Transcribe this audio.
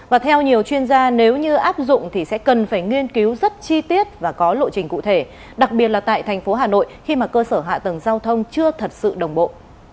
và theo nhiều chuyên gia nếu như áp dụng thì sẽ cần phải nghiên cứu rất chi tiết và có lộ trình cụ thể đặc biệt là tại thành phố hà nội khi mà cơ sở hạ tầng giao thông chưa thật sự đồng bộ